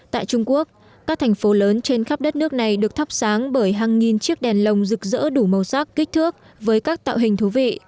tại trung quốc các thành phố lớn trên khắp đất nước này được thắp sáng bởi hàng nghìn chiếc đèn lồng rực rỡ đủ màu sắc kích thước với các tạo hình thú vị